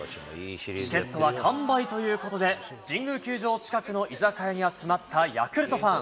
チケットは完売ということで、神宮球場近くの居酒屋に集まったヤクルトファン。